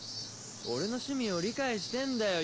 俺の趣味を理解してんだよ